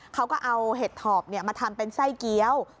เขาก็เอาเห็ดถอบมาทำเป็นไส้เกี้ยว